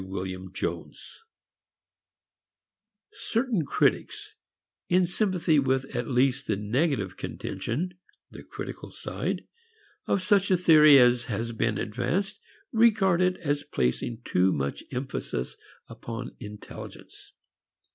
VIII Certain critics in sympathy with at least the negative contention, the critical side, of such a theory as has been advanced, regard it as placing too much emphasis upon intelligence.